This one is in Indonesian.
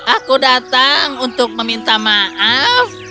aku datang untuk meminta maaf